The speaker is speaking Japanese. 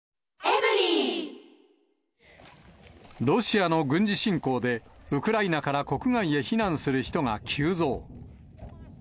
ロシアの軍事侵攻で、ウクライナから国外へ避難する人が急増。